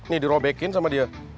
nih dirobekin sama dia